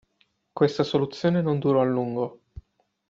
Questa soluzione non durò a lungo.